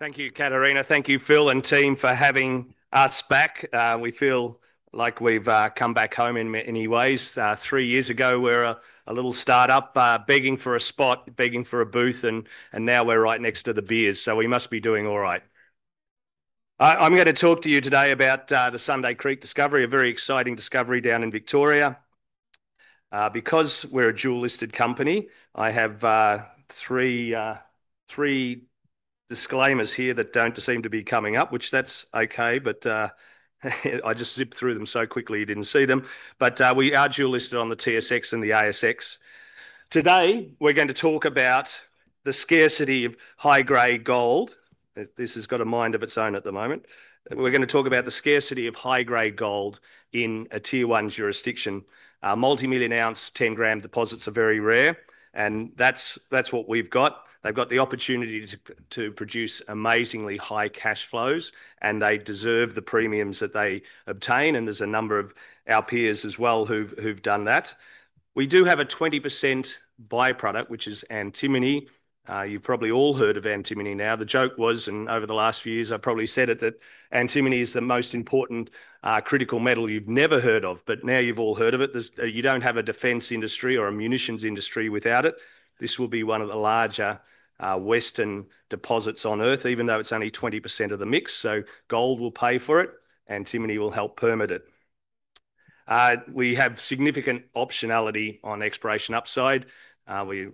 Thank you, Katharina. Thank you, Phil and team, for having us back. We feel like we've come back home in many ways. Three years ago, we were a little startup begging for a spot, begging for a booth, and now we're right next to the beers. We must be doing all right. I'm going to talk to you today about the Sunday Creek discovery, a very exciting discovery down in Victoria. Because we're a dual-listed company, I have three disclaimers here that don't seem to be coming up, which is okay, but I just zipped through them so quickly you didn't see them. We are dual-listed on the TSX and the ASX. Today, we're going to talk about the scarcity of high-grade gold. This has got a mind of its own at the moment. We're going to talk about the scarcity of high-grade gold in a tier one jurisdiction. Multi-million ounce, 10 g deposits are very rare, and that's what we've got. They've got the opportunity to produce amazingly high cash flows, and they deserve the premiums that they obtain. There are a number of our peers as well who've done that. We do have a 20% byproduct, which is antimony. You've probably all heard of antimony now. The joke was, and over the last few years, I probably said it, that antimony is the most important critical metal you've never heard of, but now you've all heard of it. You don't have a defense industry or a munitions industry without it. This will be one of the larger Western deposits on Earth, even though it's only 20% of the mix. Gold will pay for it, and antimony will help permit it. We have significant optionality on exploration upside.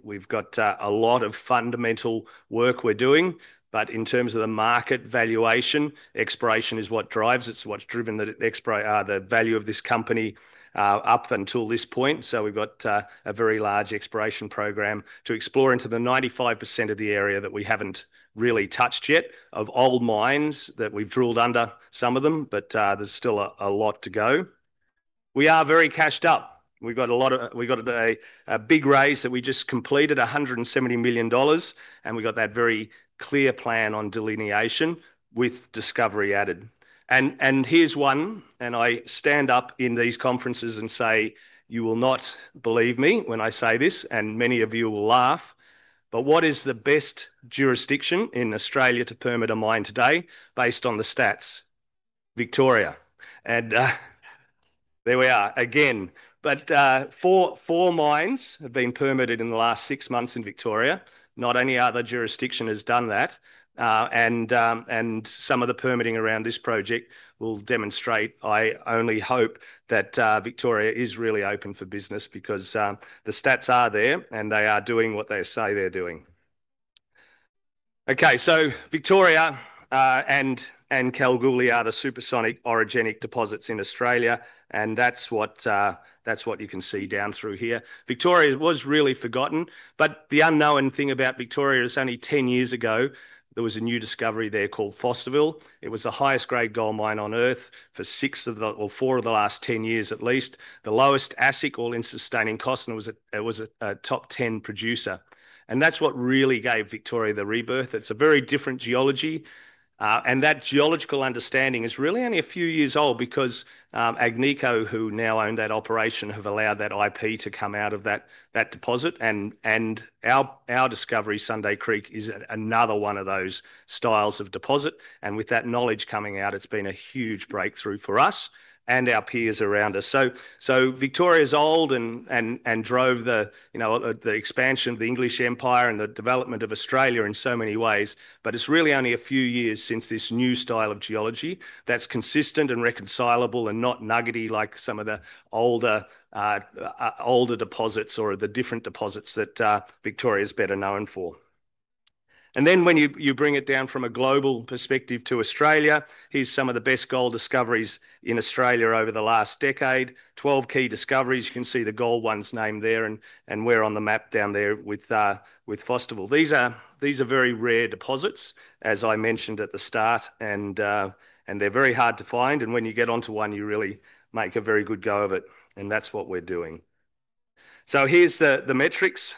We've got a lot of fundamental work we're doing, but in terms of the market valuation, exploration is what drives it. It's what's driven the value of this company up until this point. We've got a very large exploration program to explore into the 95% of the area that we haven't really touched yet of old mines that we've drilled under some of them, but there's still a lot to go. We are very cashed up. We've got a big raise that we just completed, $170 million, and we've got that very clear plan on delineation with discovery added. Here is one, and I stand up in these conferences and say, you will not believe me when I say this, and many of you will laugh, but what is the best jurisdiction in Australia to permit a mine today based on the stats? Victoria. There we are again. Four mines have been permitted in the last six months in Victoria. Not any other jurisdiction has done that. Some of the permitting around this project will demonstrate. I only hope that Victoria is really open for business because the stats are there and they are doing what they say they're doing. Victoria and Kalgoorlie are the supersonic orogenic deposits in Australia, and that's what you can see down through here. Victoria was really forgotten, but the unknown thing about Victoria is only 10 years ago, there was a new discovery there called Fosterville. It was the highest-grade gold mine on Earth for four of the last 10 years at least. The lowest AISC, all-in sustaining costs, and it was a top 10 producer. That really gave Victoria the rebirth. It's a very different geology. That geological understanding is really only a few years old because Agnico, who now own that operation, have allowed that IP to come out of that deposit. Our discovery, Sunday Creek, is another one of those styles of deposit. With that knowledge coming out, it's been a huge breakthrough for us and our peers around us. Victoria's old and drove the expansion of the English Empire and the development of Australia in so many ways, but it's really only a few years since this new style of geology that's consistent and reconcilable and not nuggety like some of the older deposits or the different deposits that Victoria's better known for. When you bring it down from a global perspective to Australia, here are some of the best gold discoveries in Australia over the last decade. 12 key discoveries. You can see the gold ones named there and where on the map down there with Fosterville. These are very rare deposits, as I mentioned at the start, and they're very hard to find. When you get onto one, you really make a very good go of it. That's what we're doing. Here are the metrics.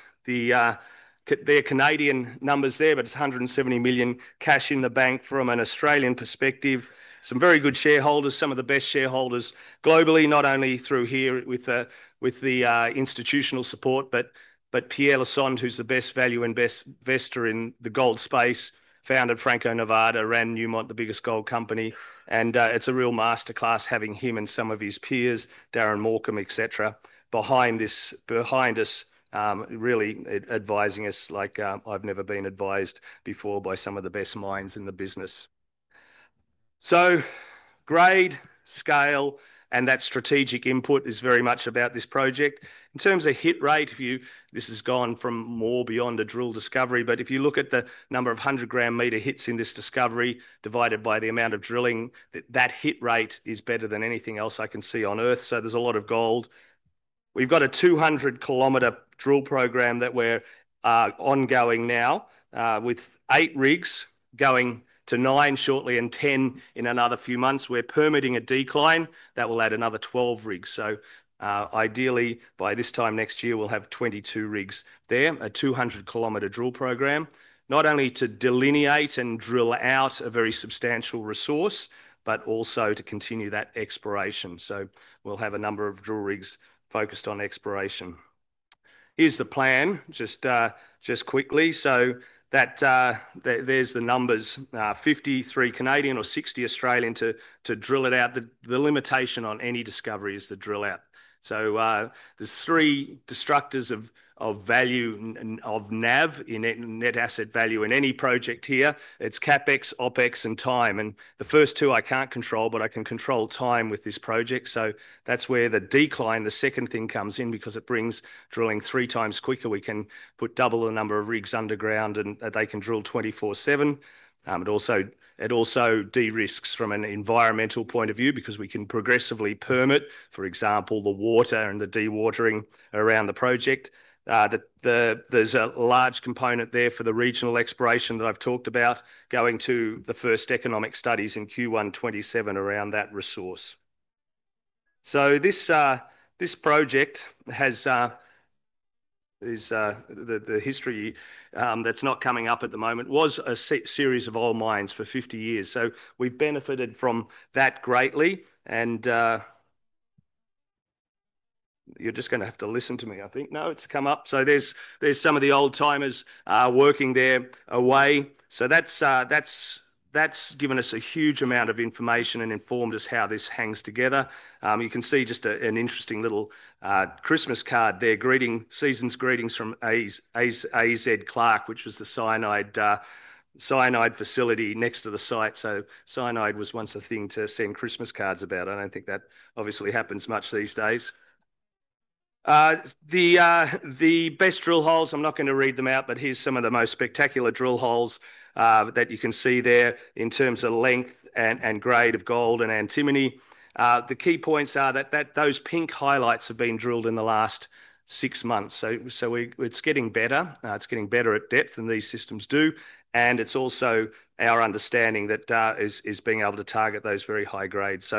There are Canadian numbers there, but it's $170 million cash in the bank from an Australian perspective. Some very good shareholders, some of the best shareholders globally, not only through here with the institutional support, but Pierre Lassonde, who's the best value investor in the gold space, founded Franco-Nevada, ran Newmont, the biggest gold company. It's a real masterclass having him and some of his peers, Darren Morcombe, etc., behind us, really advising us like I've never been advised before by some of the best minds in the business. Grade, scale, and that strategic input is very much about this project. In terms of hit rate, this has gone from more beyond a drill discovery, but if you look at the number of 100 g/m hits in this discovery divided by the amount of drilling, that hit rate is better than anything else I can see on Earth. There's a lot of gold. We've got a 200 km drill program that we're ongoing now with eight rigs, going to nine shortly and 10 in another few months. We're permitting a decline that will add another 12 rigs. Ideally, by this time next year, we'll have 22 rigs there, a 200 kl drill program, not only to delineate and drill out a very substantial resource, but also to continue that exploration. We'll have a number of drill rigs focused on exploration. Here's the plan, just quickly. There's the numbers, 53 million or 60 million to drill it out. The limitation on any discovery is the drill out. There are three destructives of value of NAV, in net asset value in any project here. It's CapEx, OpEx, and time. The first two I can't control, but I can control time with this project. That's where the decline, the second thing, comes in because it brings drilling three times quicker. We can put double the number of rigs underground and they can drill 24/7. It also de-risks from an environmental point of view because we can progressively permit, for example, the water and the dewatering around the project. There's a large component there for the regional exploration that I've talked about, going to the first economic studies in Q1 2027 around that resource. This project has the history that's not coming up at the moment, was a series of old mines for 50 years. We benefited from that greatly. You're just going to have to listen to me, I think. No, it's come up. There's some of the old timers working there away. That's given us a huge amount of information and informed us how this hangs together. You can see just an interesting little Christmas card there, greetings, season's greetings from A.Z. Clark, which is the cyanide facility next to the site. Cyanide was once a thing to send Christmas cards about. I don't think that obviously happens much these days. The best drill holes, I'm not going to read them out, but here's some of the most spectacular drill holes that you can see there in terms of length and grade of gold and antimony. The key points are that those pink highlights have been drilled in the last six months. It's getting better. It's getting better at depth than these systems do. It's also our understanding that is being able to target those very high grades.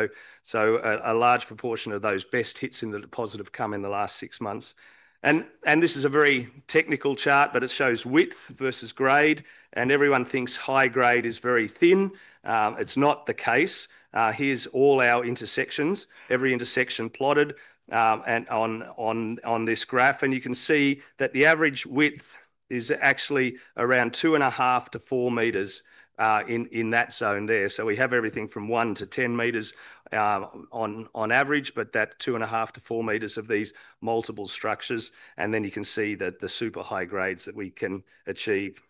A large proportion of those best hits in the deposit have come in the last six months. This is a very technical chart, but it shows width versus grade. Everyone thinks high grade is very thin. It's not the case. Here's all our intersections, every intersection plotted on this graph. You can see that the average width is actually around 2.5-4 m in that zone there. We have everything from 1-10 m on average, but that 2.5-4 m of these multiple structures. You can see the super high grades that we can achieve.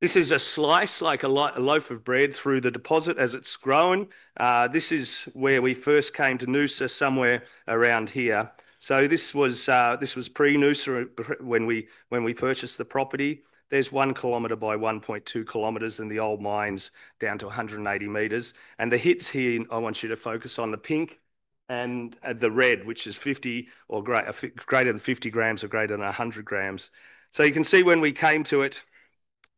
This is a slice, like a loaf of bread through the deposit as it's growing. This is where we first came to Noosa, somewhere around here. This was pre-Noosa when we purchased the property. There's 1 km x 1.2 km in the old mines down to 180 m. The hits here, I want you to focus on the pink and the red, which is 50 or 50 g > 100 g. You can see when we came to it,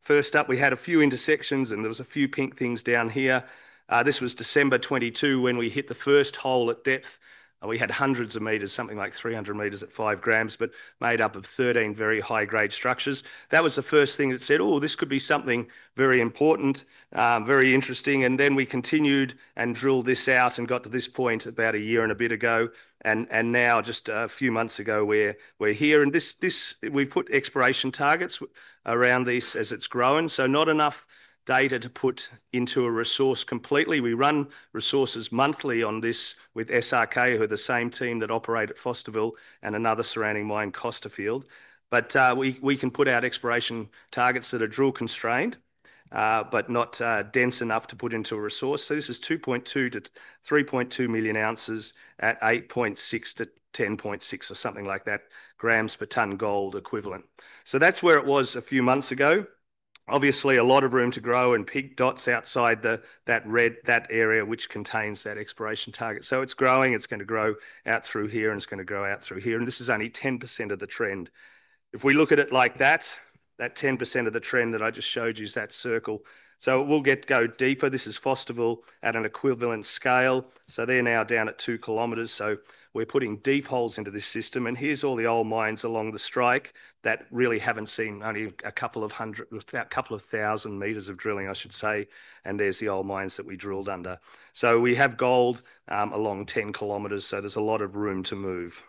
first up, we had a few intersections and there was a few pink things down here. This was December 2022 when we hit the first hole at depth. We had 100 m, something like 300 m at 5 g, but made up of 13 very high-grade structures. That was the first thing that said, oh, this could be something very important, very interesting. We continued and drilled this out and got to this point about a year and a bit ago. Now just a few months ago, we're here. We put exploration targets around this as it's growing. Not enough data to put into a resource completely. We run resources monthly on this with SRK, who are the same team that operate at Fosterville and another surrounding mine, Costerfield. We can put out exploration targets that are drill constrained, but not dense enough to put into a resource. This is 2.2-3.2 million oz at 8.6-10.6 or something like that, g per ton gold equivalent. That's where it was a few months ago. Obviously, a lot of room to grow and pink dots outside that red, that area which contains that exploration target. So it's growing. It's going to grow out through here and it's going to grow out through here. This is only 10% of the trend. If we look at it like that, that 10% of the trend that I just showed you is that circle. We'll get go deeper. This is Fosterville at an equivalent scale. They're now down at 2 km. We're putting deep holes into this system. Here's all the old mines along the strike that really haven't seen only a couple of hundred, a couple of 1,000 m of drilling, I should say. There's the old mines that we drilled under. We have gold along 10 km, so there's a lot of room to move.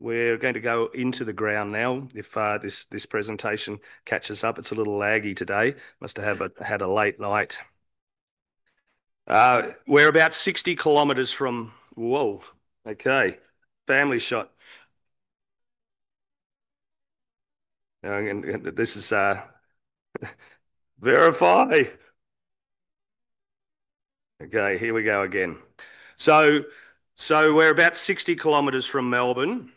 We're going to go into the ground now. If this presentation catches up, it's a little laggy today. Must have had a late night. We're about 60 km from, whoa, okay, family shot. This is verify. Here we go again. We're about 60 km from Melbourne,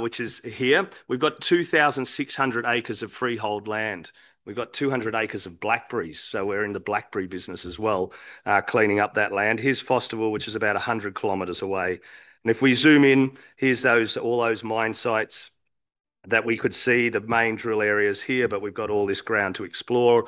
which is here. We've got 2,600 acres of freehold land. We've got 200 acres of blackberries, so we're in the blackberry business as well, cleaning up that land. Here's Fosterville, which is about 100 km away. If we zoom in, here's all those mine sites that we could see, the main drill areas here, but we've got all this ground to explore.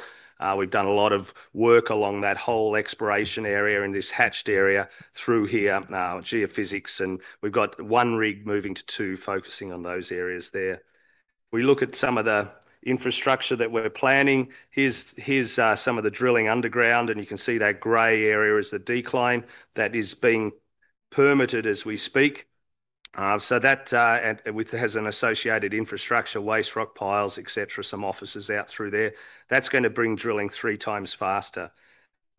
We've done a lot of work along that whole exploration area in this hatched area through here, geophysics. We've got one rig moving to two, focusing on those areas there. We look at some of the infrastructure that we're planning. Here's some of the drilling underground. You can see that gray area is the decline that is being permitted as we speak. That has an associated infrastructure, waste rock piles, etc., some offices out through there. That's going to bring drilling three times faster.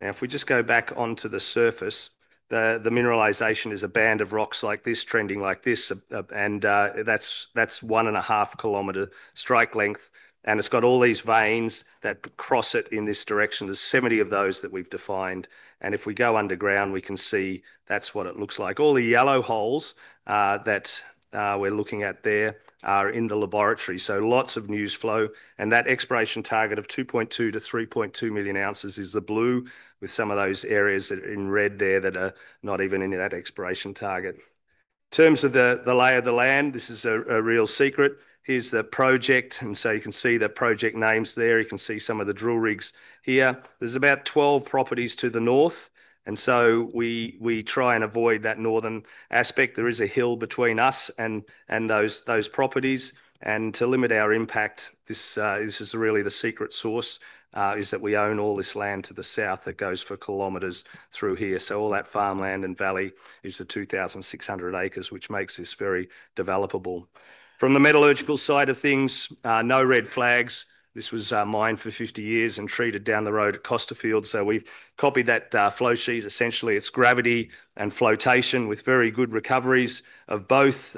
If we just go back onto the surface, the mineralization is a band of rocks like this, trending like this. That's 1.5 km strike length, and it's got all these veins that cross it in this direction. There's 70 of those that we've defined. If we go underground, we can see that's what it looks like. All the yellow holes that we're looking at there are in the laboratory, so lots of news flow. That exploration target of 2.2-3.2 million oz is the blue with some of those areas in red there that are not even in that exploration target. In terms of the lay of the land, this is a real secret. Here's the project. You can see the project names there. You can see some of the drill rigs here. There's about 12 properties to the north, and we try and avoid that northern aspect. There is a hill between us and those properties. To limit our impact, this is really the secret sauce: we own all this land to the south that goes for kilometers through here. All that farmland and valley is the 2,600 acres, which makes this very developable. From the metallurgical side of things, no red flags. This was mined for 50 years and treated down the road at Costerfield. We've copied that flowsheet. Essentially, it's gravity and flotation with very good recoveries of both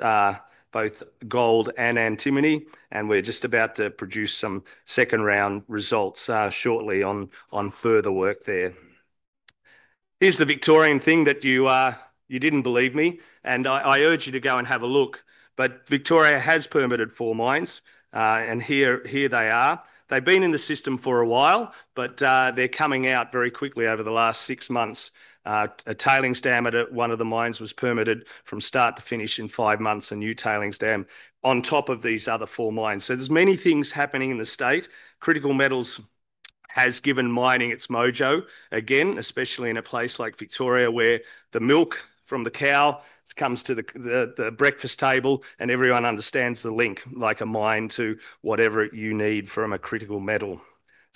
gold and antimony. We're just about to produce some second round results shortly on further work there. Here's the Victorian thing that you didn't believe me. I urge you to go and have a look. Victoria has permitted four mines. Here they are. They've been in the system for a while, but they're coming out very quickly over the last six months. A tailings dam at one of the mines was permitted from start to finish in five months, a new tailings dam on top of these other four mines. There are many things happening in the state. Critical metals has given mining its mojo again, especially in a place like Victoria where the milk from the cow comes to the breakfast table and everyone understands the link like a mind to whatever you need from a critical metal.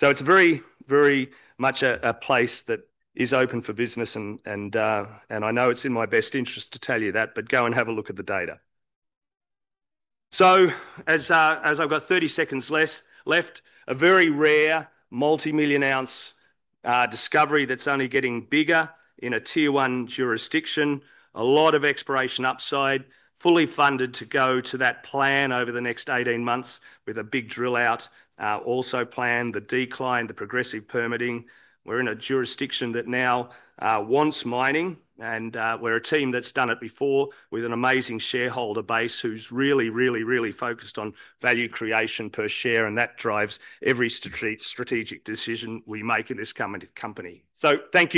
It's very, very much a place that is open for business. I know it's in my best interest to tell you that, but go and have a look at the data. As I've got 30 s left, a very rare multi-million ounce discovery that's only getting bigger in a tier one jurisdiction, a lot of exploration upside, fully funded to go to that plan over the next 18 months with a big drill out. Also planned the decline, the progressive permitting. We're in a jurisdiction that now wants mining. We're a team that's done it before with an amazing shareholder base who's really, really, really focused on value creation per share. That drives every strategic decision we make in this company. Thank you.